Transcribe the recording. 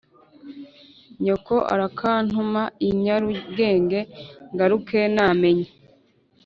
nyoko arakantuma i nyarugenge ngaruke namenye